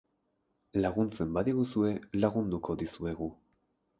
Laguntzen badiguzue lagunduko dizuegu.